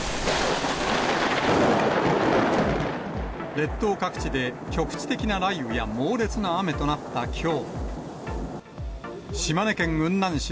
列島各地で局地的な雷雨や猛烈な雨となったきょう。